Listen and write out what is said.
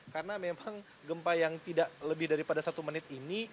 karena memang gempa yang tidak lebih dari satu menit ini